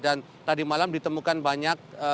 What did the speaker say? dan tadi malam ditemukan banyak